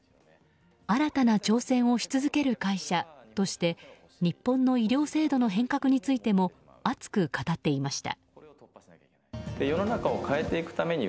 新たな挑戦をし続ける会社として日本の医療制度の変革についても熱く語っていました。